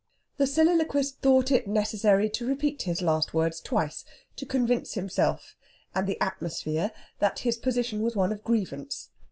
The soliloquist thought it necessary to repeat his last words twice to convince himself and the atmosphere that his position was one of grievance.